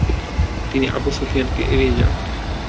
তিনি আবু সুফিয়ানকে এড়িয়ে যান।